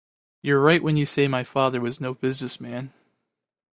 You're right when you say my father was no business man.